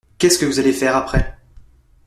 Qu’est-ce que vous allez faire après ?